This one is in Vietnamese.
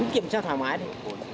kiểm tra thoải mái đi